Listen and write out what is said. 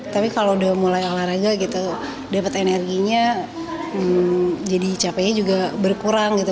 tapi kalau udah mulai olahraga gitu dapat energinya jadi capeknya juga berkurang gitu